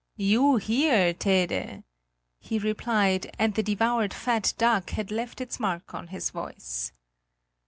"You here, Tede?" he replied, and the devoured fat duck had left its mark on his voice.